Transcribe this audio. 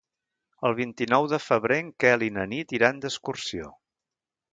El vint-i-nou de febrer en Quel i na Nit iran d'excursió.